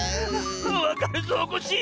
わかるぞコッシー！